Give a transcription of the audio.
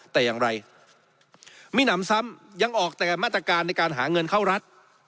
แต่อย่างไรมีหนำซ้ำยังออกแต่มาตรการในการหาเงินเข้ารัฐ